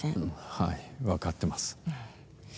はい、分かってます。